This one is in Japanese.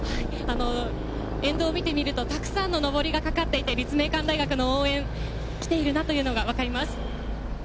沿道を見てみると、たくさんののぼりが、かかっていて立命館大学の応援、来ているなというのがわかります。